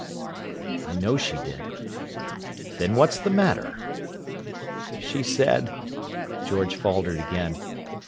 "I know she did." "Then what's the matter?" "She said—" George faltered again.